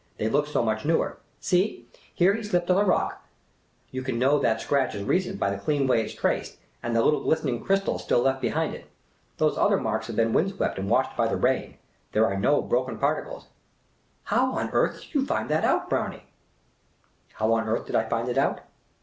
They look so much newer. See, here, he slipped on the rock ; you can know that scratch is recent by the clean way it 's traced, and the little glistening crys tals still left behind in it. Those other marks have been wind swept and washed by the rain. There are no broken particles." " How on earth did you find that out, Brownie ?" How on earth did I find it out